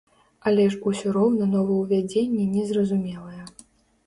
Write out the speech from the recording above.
Але ж усё роўна новаўвядзенні незразумелыя.